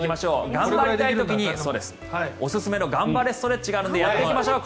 頑張りたい時におすすめの頑張れストレッチがあるのでやっていきましょう。